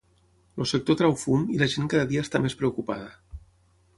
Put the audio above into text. El sector treu fum i la gent cada dia està més preocupada.